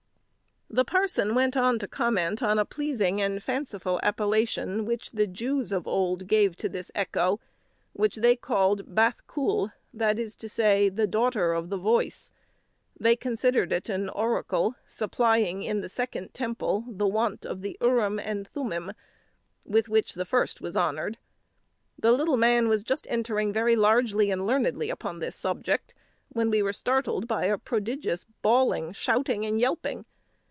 The parson went on to comment on a pleasing and fanciful appellation which the Jews of old gave to the echo, which they called Bath kool, that is to say, "the daughter of the voice;" they considered it an oracle, supplying in the second temple the want of the Urim and Thummim, with which the first was honoured.[A] The little man was just entering very largely and learnedly upon the subject, when we were startled by a prodigious bawling, shouting, and yelping.